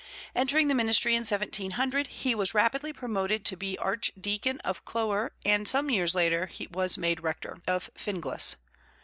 Entering the ministry in 1700, he was rapidly promoted to be archdeacon of Clogher and some years later was made rector of Finglas.